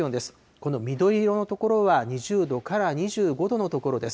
この緑色の所は、２０度から２５度の所です。